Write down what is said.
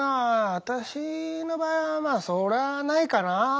私の場合はそれはないかな。